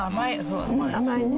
甘いね。